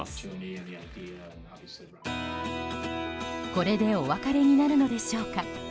これでお別れになるのでしょうか。